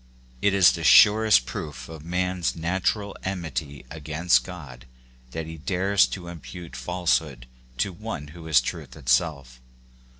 It is the surest proof of a man's natural enmity against God that he dares to imoute falsehood to one who is truth itself.